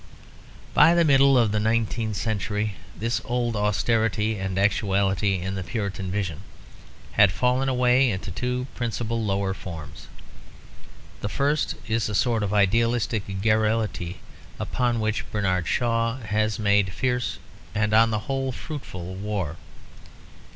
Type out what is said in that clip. By the middle of the nineteenth century this old austerity and actuality in the Puritan vision had fallen away into two principal lower forms. The first is a sort of idealistic garrulity upon which Bernard Shaw has made fierce and on the whole fruitful war.